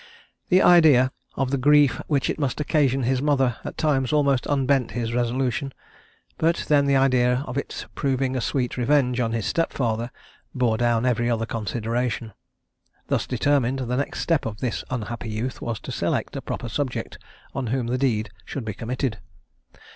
The idea of the grief which it must occasion his mother at times almost unbent his resolution; but then the idea of its proving a sweet revenge on his stepfather bore down every other consideration. Thus determined, the next step of this unhappy youth was to select a proper subject on whom the deed should be committed.